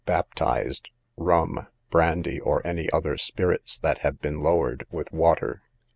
Baptised, rum, brandy, or any other spirits that have been lowered with water.